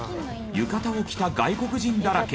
浴衣を着た外国人だらけ。